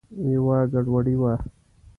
یوه ګډوډي وه.